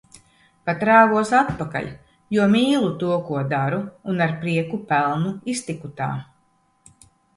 Pat rāvos atpakaļ. Jo mīlu to, ko daru un ar prieku pelnu iztiku tā.